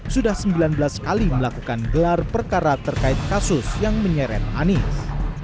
sudah sembilan belas kali melakukan gelar perkara terkait kasus yang menyeret anies